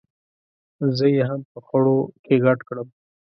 زه یې هم په خړو کې ګډ کړم.